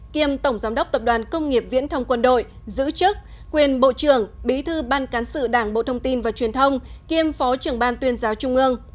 kiêm tổng giám đốc tập đoàn công nghiệp viễn thông quân đội giữ chức quyền bộ trưởng bí thư ban cán sự đảng bộ thông tin và truyền thông kiêm phó trưởng ban tuyên giáo trung ương